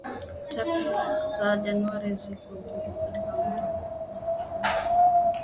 Takwimu za Januari ziko juu kuliko pato la mauzo ya nje